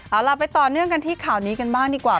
เอาล่ะไปต่อเนื่องกันที่ข่าวนี้กันบ้างดีกว่า